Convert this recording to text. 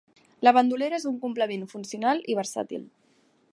La bandolera és un complement funcional i versàtil.